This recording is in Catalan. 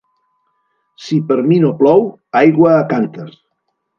Si per mi no plou, aigua a cànters.